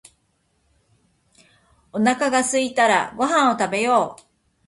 おなかがすいたらご飯を食べよう